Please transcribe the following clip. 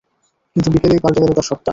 কিন্তু বিকেলেই পাল্টে গেল তার সবটা।